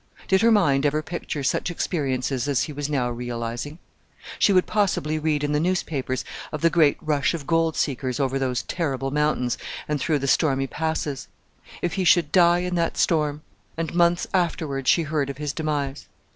Did her mind ever picture such experiences as he was now realizing? She would possibly read in the newspapers of the great rush of gold seekers over those terrible mountains and through the stormy passes. If he should die in that storm, and months afterwards she heard of his demise?...